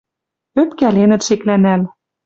Ӧпкӓленӹт шеклӓнӓл: